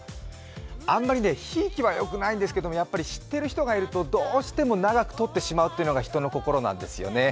あんまり、ひいきは良くないんですけれどもやっぱり知ってる人がいると、どうしても長く撮ってしまうというのが人の心なんですよね。